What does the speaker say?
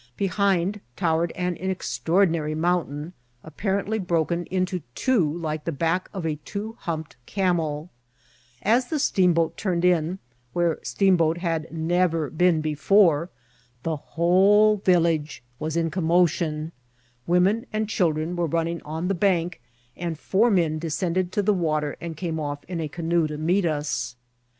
Behind towered an extraordinary mountain, apparently broken into two, like the back of a two humped cameL As the steamboat turned in, where steamboat had never been before, the whole village was in commotion: women and children were running on the bank, and four men descended to the water and came off in a canoe to meet us.